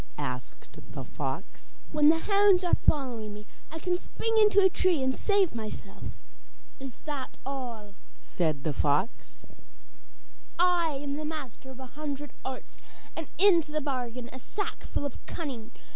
asked the fox. 'When the hounds are following me, I can spring into a tree and save myself.' 'Is that all?' said the fox. 'I am master of a hundred arts, and have into the bargain a sackful of cunning.